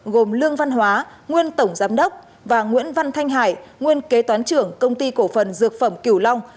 gồm lương văn hóa nguyên tổng giám đốc và nguyễn văn thanh hải nguyên kế toán trưởng công ty cổ phần dược phẩm cửu long